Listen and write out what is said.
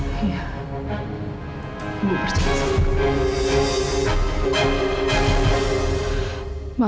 ibu percaya sama aku